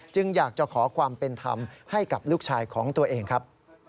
อยากจะขอความเป็นธรรมให้กับลูกชายของตัวเองครับ